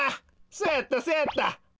そうやったそうやった。